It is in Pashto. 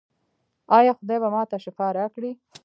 ایا خدای به ما ته شفا راکړي؟